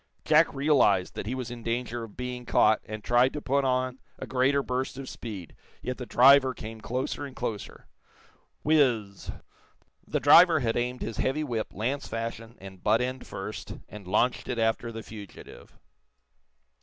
Jack realized that he was in danger of being caught, and tried to put on a greater burst of speed. Yet the driver came closer and closer. Whizz zz! The driver had aimed his heavy whip, lance fashion, and butt end first, and launched it after the fugitive.